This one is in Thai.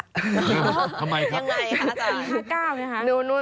ทำไมครับอาจารย์ยังไงคะอาจารย์